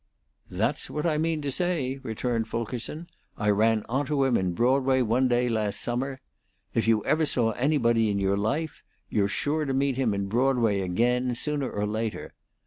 "That's what I mean to say," returned Fulkerson. "I ran onto him in Broadway one day last summer. If you ever saw anybody in your life; you're sure to meet him in Broadway again, sooner or later.